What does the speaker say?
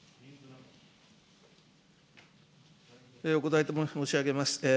お答え申し上げます。